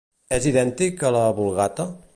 És idèntic a la Vulgata?